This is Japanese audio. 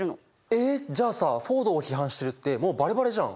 えじゃあさフォードを批判してるってもうバレバレじゃん。